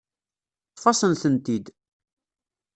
Ṭṭef-asen-tent-id.